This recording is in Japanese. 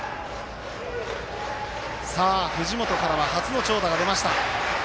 藤本からは初の長打が出ました。